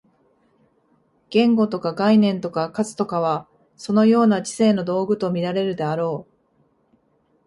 言語とか概念とか数とかは、そのような知性の道具と見られるであろう。